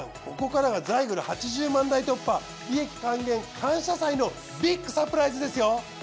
ここからがザイグル８０万台突破利益還元感謝祭のビッグサプライズですよ！